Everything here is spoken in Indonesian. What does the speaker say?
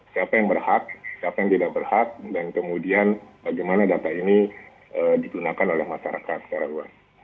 siapa yang berhak siapa yang tidak berhak dan kemudian bagaimana data ini digunakan oleh masyarakat secara luas